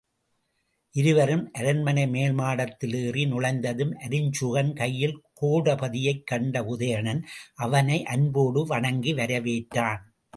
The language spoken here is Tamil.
இருவரும் அரண்மனை மேல்மாடத்தில் ஏறி நுழைந்ததும், அருஞ்சுகன் கையில் கோடபதியைக் கண்ட உதயணன், அவனை அன்போடு வணங்கி வரவேற்றான்.